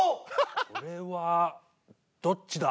これはどっちだ？